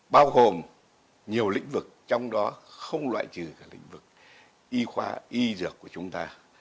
bao gồm nhiều lĩnh vực trong đó không loại trừ cả lĩnh vực y khoa y dược của chúng ta